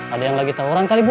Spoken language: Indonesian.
ada yang lagi tau orang kali bu